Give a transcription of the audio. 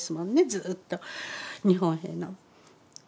ずっと日本兵の。